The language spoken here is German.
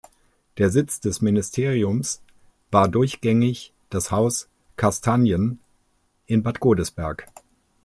Der Sitz des Ministeriums war durchgängig das Haus Carstanjen in Bad Godesberg.